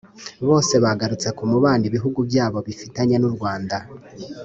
Bose bagarutse ku mubano ibihugu byabo bifitanye n’u Rwanda